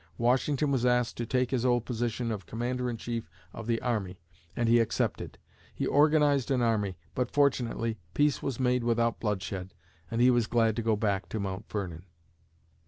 Washington was asked to take his old position of Commander in Chief of the army and he accepted. He organized an army, but, fortunately, peace was made without bloodshed, and he was glad to go back to Mount Vernon.